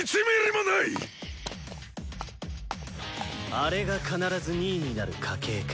あれが必ず２位になる家系か。